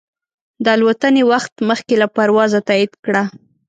د الوتنې وخت مخکې له پروازه تایید کړه.